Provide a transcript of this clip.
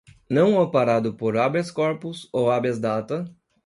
não amparado por "habeas-corpus" ou "habeas-data"